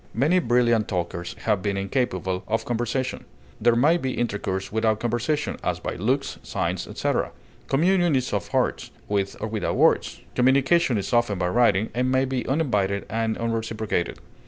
Many brilliant talkers have been incapable of conversation. There may be intercourse without conversation, as by looks, signs, etc.; communion is of hearts, with or without words; communication is often by writing, and may be uninvited and unreciprocated.